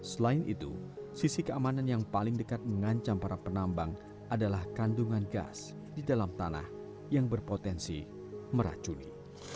selain itu sisi keamanan yang paling dekat mengancam para penambang adalah kandungan gas di dalam tanah yang berpotensi meracuni